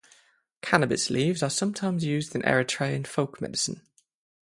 Cannabis leaves are sometimes used in Eritrean folk medicine.